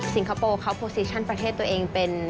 คโปร์เขาโปรซีชั่นประเทศตัวเองเป็น